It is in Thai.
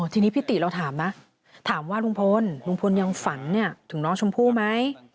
ทีนี้พี่ติเราถามนะถามว่าลุงพลลุงพลยังฝันถึงน้องชมพู่ไหม